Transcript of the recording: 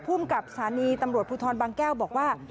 ภูมิกับสถานีตำรวจภูทรบางแก้วบอกว่า